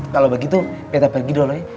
kalo begitu beta pergi dulu ya